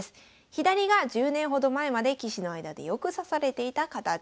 左が１０年ほど前まで棋士の間でよく指されていた形。